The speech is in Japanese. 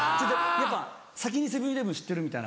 やっぱ先にセブン−イレブン知ってるみたいな。